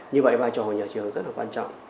như vậy vai trò của nhà trường rất là quan trọng